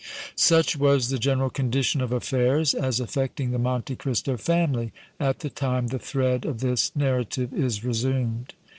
Such was the general condition of affairs, as affecting the Monte Cristo family, at the time the thread of this narrative is resumed.